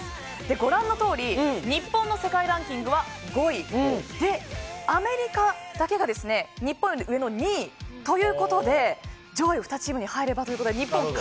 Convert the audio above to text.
ご覧のとおり日本の世界ランキングは５位でアメリカだけが日本より上の２位ということで上位２チームに入る可能性